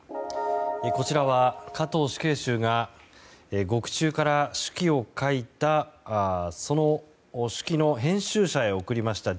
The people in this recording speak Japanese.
こちらは加藤死刑囚が獄中から手記を書いたその手記の編集者に送りました